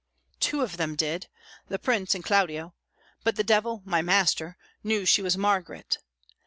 "Two of them did the Prince and Claudio but the devil, my master, knew she was Margaret.